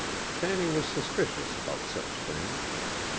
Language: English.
Fanny was suspicious about such things.